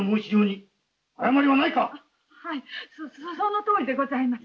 そそのとおりでございます。